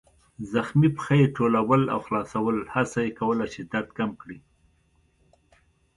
زخمي پښه يې ټولول او خلاصول، هڅه یې کوله چې درد کم کړي.